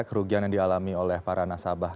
kerugian yang dialami oleh para nasabah